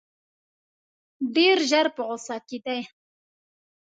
ډېر ژر په غوسه کېدی.